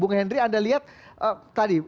bung hendry anda lihat tadi